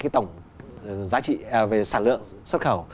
tổng giá trị sản lượng xuất khẩu